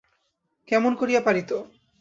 কেমন করিয়া পারিত!